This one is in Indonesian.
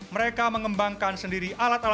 mereka mengembangkan sendiri alat alat